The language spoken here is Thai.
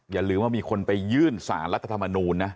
อย่าลืมว่ามีคนไปยื่นสารรัฐธรรมนูญนะ